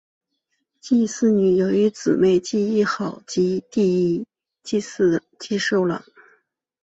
蔡素女有一姊蔡亦好及一弟蔡寿郎。